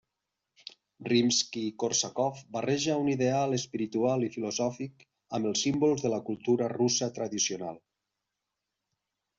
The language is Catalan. Rimski-Kórsakov barreja un ideal espiritual i filosòfic amb els símbols de la cultura russa tradicional.